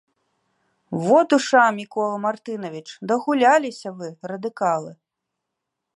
— Во, душа, Мікола Мартынавіч, дагуляліся вы, радыкалы!